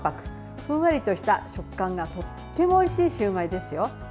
ふんわりとした食感がとってもおいしいシューマイですよ。